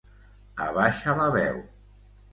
Abaixa la veu...